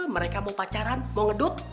mereka mau pacaran mau ngedut